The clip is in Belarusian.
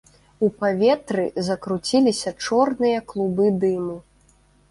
У паветры закруціліся чорныя клубы дыму.